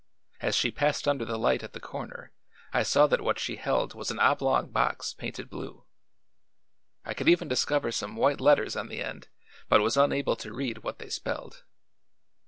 As she passed under the light at the corner I saw that what she held was an oblong box painted blue. I could even discover some white letters on the end but was unable to read what they spelled.